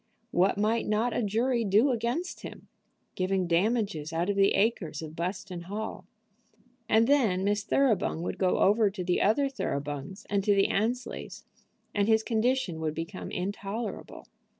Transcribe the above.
What might not a jury do against him, giving damages out of the acres of Buston Hall? And then Miss Thoroughbung would go over to the other Thoroughbungs and to the Annesleys, and his condition would become intolerable.